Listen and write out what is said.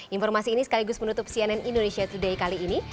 informasi ini sekaligus menutup cnn indonesia today kali ini